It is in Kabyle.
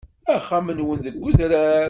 Axxam-nwen deg udrar.